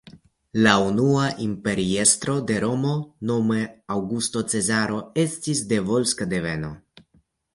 La unua imperiestro de Romo nome Aŭgusto Cezaro estis de volska deveno.